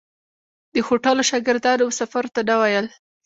د هوټلو شاګردانو مسافرو ته نه ویل.